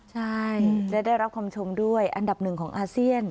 ใช่และได้รับความชมด้วยอันดับ๑ของอาเซียน